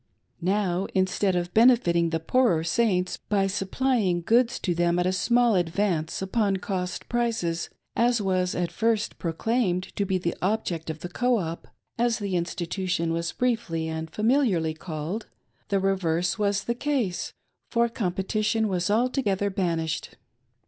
Now, instead of benefitting the' poorer Saints, by supplying goods to them at a small advance upon cost prices, as was at first proclaimed to be the objefct of the "Co op" — as the In stitution was briefly and familiarly called — the reverse was the case, for competition was altogether banished.